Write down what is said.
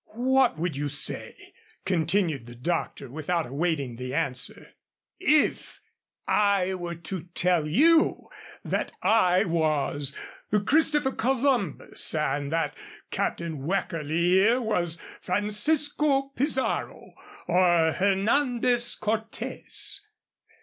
"What would you say," continued the Doctor, without awaiting the answer, "if I were to tell you that I was Christopher Columbus and that Captain Weckerly here was Francisco Pizarro or Hernandez Cortes?